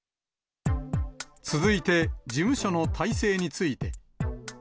続いて、事務所の体制について。